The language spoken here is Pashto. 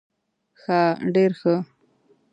ښه ډير ښه